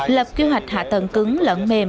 lập kế hoạch hạ tầng cứng lẫn mềm